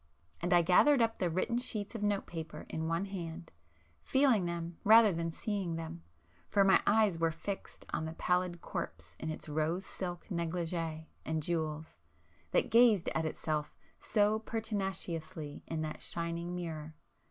And I gathered up the written sheets of note paper in one hand, feeling them rather than seeing them, for my eyes were fixed on the pallid corpse in its rose silk 'negligée' and jewels, that gazed at itself so pertinaciously in the shining mirror.